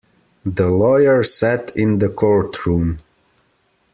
The lawyer sat in the courtroom.